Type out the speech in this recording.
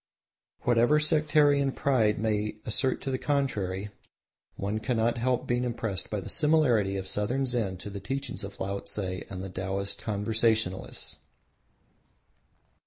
Whatever sectarian pride may assert to the contrary one cannot help being impressed by the similarity of Southern Zen to the teachings of Laotse and the Taoist Conversationalists.